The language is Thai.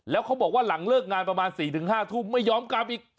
แล้วเขาบอกว่าหลังเลิกงานประมาณ๔๕ทุ่มไม่ยอมกลับอีก